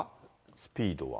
スピードは。